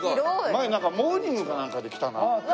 前なんかモーニングかなんかで来たな。